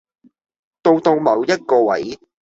到到某一個位